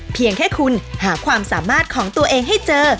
เพียงแค่คุณหาความสามารถของตัวเองให้เจอ